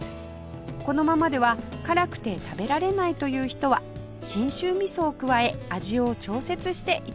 このままでは辛くて食べられないという人は信州味噌を加え味を調節して頂きます